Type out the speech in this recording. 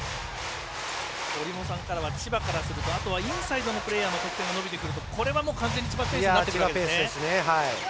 折茂さんからは千葉からするとインサイドのプレーヤーの得点が伸びてくるとこれは完全に千葉ペースになってくるんですね。